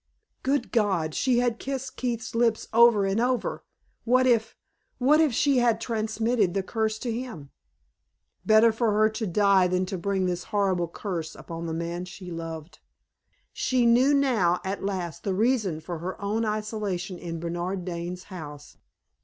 Good God! she had kissed Keith's lips over and over. What if what if she had transmitted the curse to him? Better for her to die than to bring this horrible curse upon the man she loved! She knew now, at last, the reason for her own isolation in Bernard Dane's house.